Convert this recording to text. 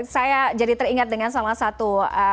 saya jadi teringat dengan salah satu